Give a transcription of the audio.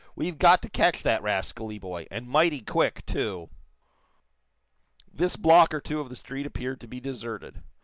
"We've got to catch that rascally boy, and mighty quick, too!" This block or two of the street appeared to be deserted.